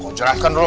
kau cerahkan dulu